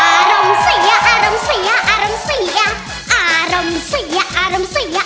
โมโฮโมโฮโมโฮ